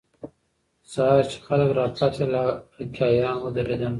سهار چې خلک راپاڅېدل، هکي اریان ودرېدل.